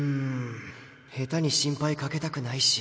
下手に心配かけたくないし。